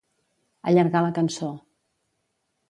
Allargar la cançó.